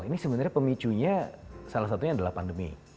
ini sebenarnya pemicunya salah satunya adalah pandemi